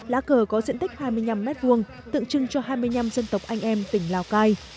lá cờ có diện tích hai mươi năm m hai tượng trưng cho hai mươi năm dân tộc anh em tỉnh lào cai